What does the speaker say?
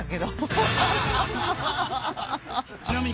ちなみに。